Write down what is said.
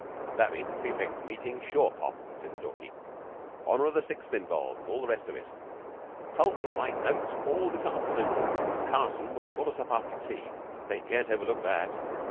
"That means a prefects' meeting sure pop," said Stalky. "Honor of the Sixth involved, and all the rest of it. Tulke'll write notes all this afternoon, and Carson will call us up after tea. They daren't overlook that."